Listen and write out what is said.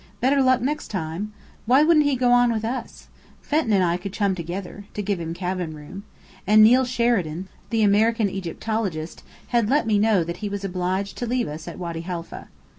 Better luck next time! Why wouldn't he go on with us? Fenton and I could chum together, to give him cabin room. And Neill Sheridan, the American Egyptologist, had let me know that he was obliged to leave us at Wady Haifa.